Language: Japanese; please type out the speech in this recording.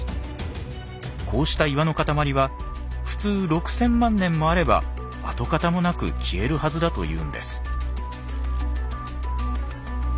こうした岩の塊は普通６，０００万年もあれば跡形もなく消えるはずだというんです。